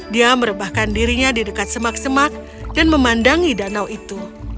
dia merebahkan dirinya di dekat semak semak dan memandangi danau itu